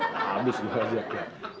habis itu aja kak